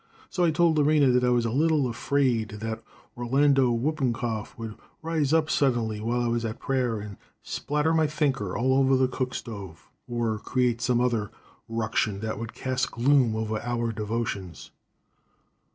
So I told Lorena that I was a little afraid that Orlando Whoopenkaugh would rise up suddenly while I was at prayer and spatter my thinker all over the cook stove, or create some other ruction that would cast a gloom over our devotions.